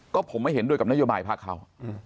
ก็ผมไม่เห็นด้วยกับนโยบายภาคเขา